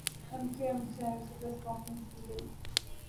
M Q M کی جانب سے پریس کانفرنس کی گئی